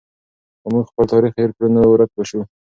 که موږ خپل تاریخ هېر کړو نو ورک به سو.